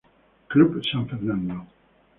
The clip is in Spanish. Club San Fernando.